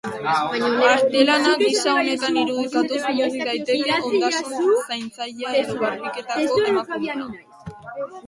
Artelana gisa honetan irudikatuz mugi daiteke ondasun-zaintzailea edo garbiketako emakumea.